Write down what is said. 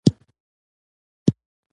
د سادګۍ سره ژوند کول د خوشحالۍ لامل کیږي.